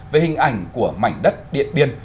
về hình ảnh của mảnh đất điện biên